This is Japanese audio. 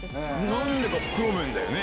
なんでか袋麺だよね。